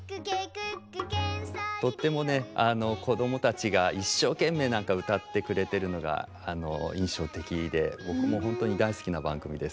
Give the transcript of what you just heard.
とってもね子供たちが一生懸命歌ってくれてるのが印象的で僕も本当に大好きな番組です。